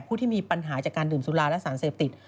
ผู้ที่มีปัญหาจากการดื่มสุราและสารเสพติด